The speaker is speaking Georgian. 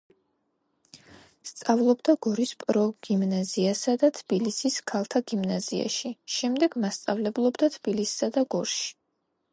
სწავლობდა გორის პროგიმნაზიასა და თბილისის ქალთა გიმნაზიაში, შემდეგ მასწავლებლობდა თბილისსა და გორში.